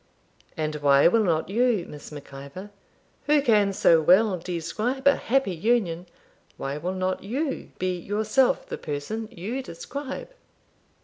'And why will not you, Miss Mac Ivor, who can so well describe a happy union, why will not you be yourself the person you describe?'